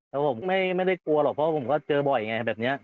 แล้วผมไม่ได้กลัวหรอกเพราะผมก็เจอบ่อยไงแบบนี้